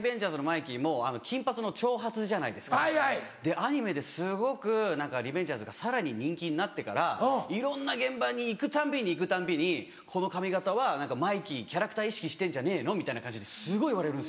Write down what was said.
アニメですごく『リベンジャーズ』がさらに人気になってからいろんな現場に行くたんびに行くたんびにこの髪形はマイキーキャラクター意識してんじゃねえのみたいな感じですごい言われるんですよ。